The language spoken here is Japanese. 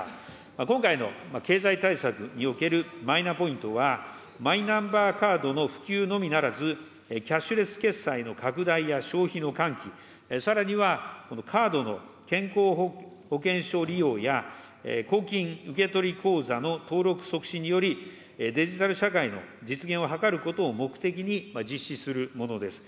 今回の経済対策におけるマイナポイントは、マイナンバーカードの普及のみならず、キャッシュレス決済の拡大や消費の喚起、さらにはカードの健康保険証利用や、公金受取口座の登録促進により、デジタル社会の実現を図ることを目的に実施するものです。